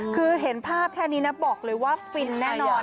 คือเห็นภาพแค่นี้นะบอกเลยว่าฟินแน่นอน